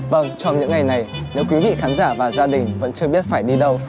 vâng trong những ngày này nếu quý vị khán giả và gia đình vẫn chưa biết phải đi đâu